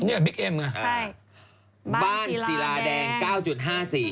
เป็นบิ๊กเอ็มไงใช่บ้านศีราแดงเว็บมือสี่